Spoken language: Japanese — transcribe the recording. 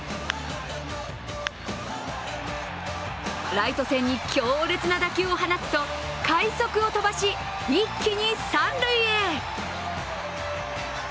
ライト線に強烈な打球を放つと快足を飛ばし一気に三塁へ。